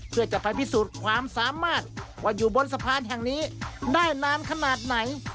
เพื่อจะไปพิสูจน์ความสามารถว่าอยู่บนสะพานแห่งนี้ได้นานขนาดไหน